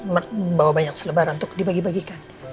membawa banyak selebaran untuk dibagi bagikan